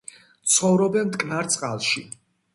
ცხოვრობენ მტკნარ წყალში.